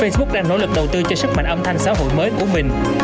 được đầu tư cho sức mạnh âm thanh xã hội mới của mình